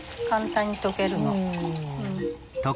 簡単に溶けるの。